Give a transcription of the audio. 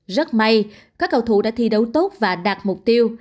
rất may các cầu thủ đã thi đấu tốt và đạt mục tiêu